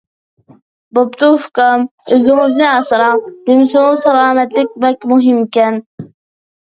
بوپتۇ ئۇكام، ئۆزىڭىزنى ئاسراڭ. دېمىسىمۇ سالامەتلىك بەك مۇھىمكەن.